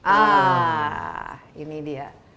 ah ini dia